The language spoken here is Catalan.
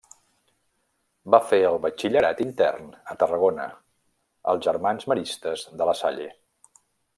Va fer el batxillerat intern a Tarragona, als germans Maristes de la Salle.